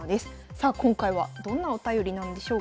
さあ今回はどんなお便りなんでしょうか。